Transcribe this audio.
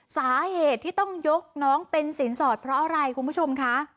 สาเหตุที่ต้องยกน้องเป็นสินสอดเพราะอะไรคุณผู้ชมคะ